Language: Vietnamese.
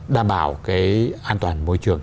đảm bảo cái an toàn môi trường